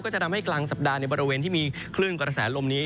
จะทำให้กลางสัปดาห์ในบริเวณที่มีคลื่นกระแสลมนี้